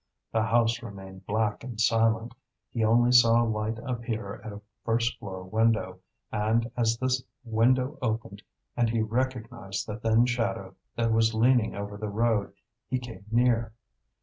The house remained black and silent; he only saw a light appear at a first floor window, and as this window opened, and he recognized the thin shadow that was leaning over the road, he came near.